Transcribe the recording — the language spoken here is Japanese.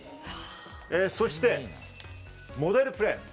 そして、モデルプレーン。